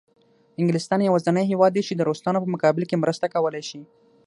انګلستان یوازینی هېواد دی چې د روسانو په مقابل کې مرسته کولای شي.